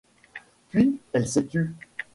Puis elle s’est tue.